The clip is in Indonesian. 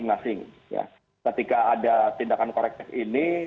ada tindakan korektif ini